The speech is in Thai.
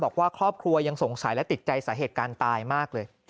บอกว่าครอบครัวยังสงสัยและติดใจสาเหตุการณ์ตายมากเลย